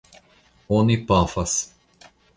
Oni pafas.